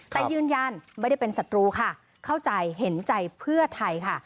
แต่ยืนยันไม่ได้เป็นศัตรูค่ะเข้าใจเห็นใจเพื่อไทยค่ะ